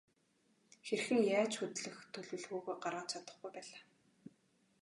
Хэрхэн яаж хөдлөх төлөвлөгөөгөө гаргаж чадахгүй байлаа.